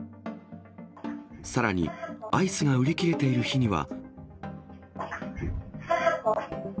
さらにアイスが売り切れている日には。